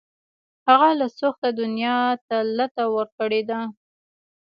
هغه له سوخته دنیا ته لته ورکړې ده